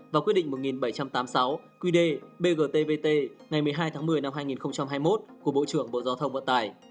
và quyết định một nghìn bảy trăm tám mươi sáu qd bgtvt ngày một mươi hai tháng một mươi năm hai nghìn hai mươi một của bộ trưởng bộ giao thông vận tải